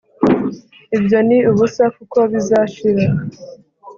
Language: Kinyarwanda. Ibyo ni ubusa kuko bizashira